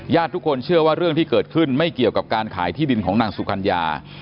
ทุกคนเชื่อว่าเรื่องที่เกิดขึ้นไม่เกี่ยวกับการขายที่ดินของนางสุกัญญา